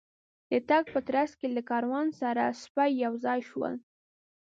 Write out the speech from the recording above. د تګ په ترڅ کې له کاروان سره سپي یو ځای شول.